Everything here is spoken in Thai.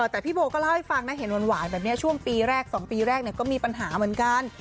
แต่พี่โบก็เล่าให้ฟังนะเห็นหวานแบบนี้ช่วงปีแรก๒ปีแรกก็มีปัญหาเหมือนกัน